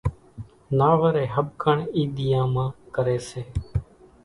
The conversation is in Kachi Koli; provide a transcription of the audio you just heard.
نا وري ۿٻڪڻ اِي ۮيان مان ڪري سي۔